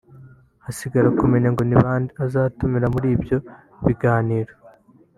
hasigara kumenya ngo nibande azatumira muri ibyo biganiro